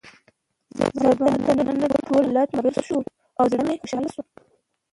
زما دننه ټول حالات متغیر شول او زړه مې خوشحاله شو.